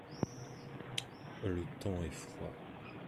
le temps est froid.